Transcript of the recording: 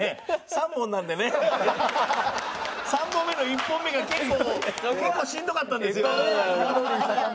３本の１本目が結構しんどかったんですよ。